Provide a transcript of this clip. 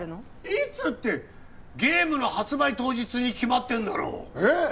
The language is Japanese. いつってゲームの発売当日に決まってんだろええ